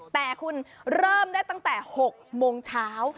แต่คุณเริ่มได้ตั้งแต่๖โมงเช้า